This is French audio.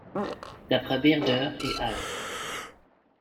D'après Bearder et al.